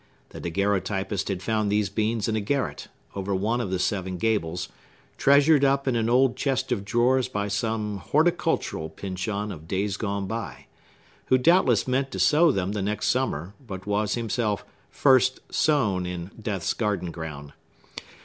The daguerreotypist had found these beans in a garret, over one of the seven gables, treasured up in an old chest of drawers by some horticultural Pyncheon of days gone by, who doubtless meant to sow them the next summer, but was himself first sown in Death's garden ground.